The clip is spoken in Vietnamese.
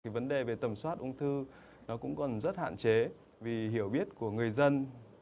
vấn đề về tầm soát ung thư cũng còn rất hạn chế vì hiểu biết của người dân